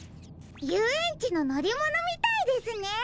ゆうえんちののりものみたいですね！